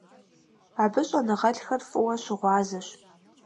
Абы щӏэныгъэлӏхэр фӀыуэ щыгъуазэщ.